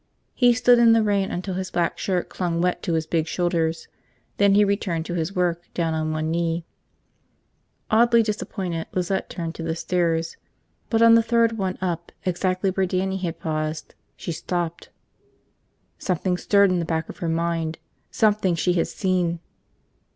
He stood in the rain until his black shirt clung wet to his big shoulders. Then he returned to his work, down on one knee. Oddly disappointed, Lizette turned to the stairs. But on the third one up, exactly where Dannie had paused, she stopped. Something stirred in the back of her mind – something she had seen.